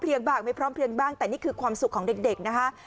บ้างไม่พร้อมเพลียงบ้างแต่นี่คือความสุขของเด็กนะคะ